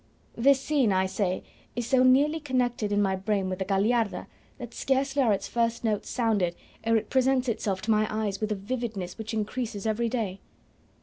This scene, I say, is so nearly connected in my brain with the Gagliarda, that scarcely are its first notes sounded ere it presents itself to my eyes with a vividness which increases every day.